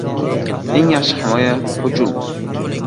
• Eng yaxshi himoya — hujum.